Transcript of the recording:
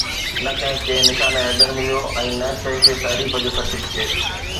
نه ڪنهن کي نشان حيدر مليو ۽ نه ڪنهن کي تعريف جو سرٽيفڪيٽ